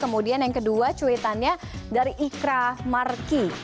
kemudian yang kedua cuitannya dari ikra marki